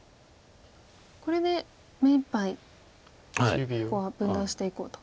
これで目いっぱいここは分断していこうと。